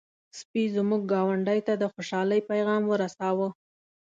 سپي زموږ ګاونډی ته د خوشحالۍ پيغام ورساوه.